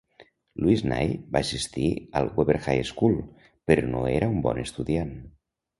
Louis Nye va assistir al Weaver High School, però no era un bon estudiant.